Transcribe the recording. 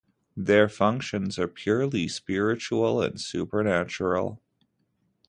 Their functions are purely spiritual and supernatural.